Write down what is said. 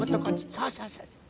そうそうそうそう。